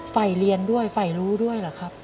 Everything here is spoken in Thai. ไฟเรียนด้วยไฟรู้ด้วยเหรอครับ